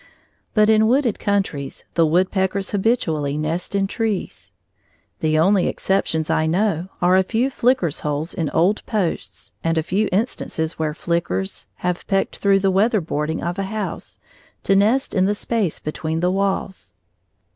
But in wooded countries the woodpeckers habitually nest in trees. The only exceptions I know are a few flickers' holes in old posts, and a few instances where flickers have pecked through the weatherboarding of a house to nest in the space between the walls.